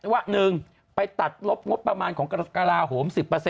ว่า๑ไปตัดลบงบประมาณของกระลาโหม๑๐